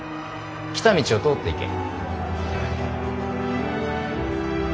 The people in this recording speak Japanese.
来た道を通っていけ。